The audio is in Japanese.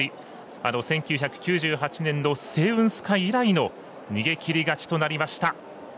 あの１９９８年のセイウンスカイ以来の逃げきり勝ちとなりました。